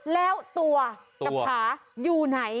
แล้วตัวกับขาอยู่ไหน